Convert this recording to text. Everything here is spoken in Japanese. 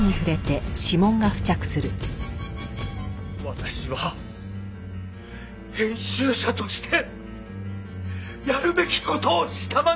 私は編集者としてやるべき事をしたまでです！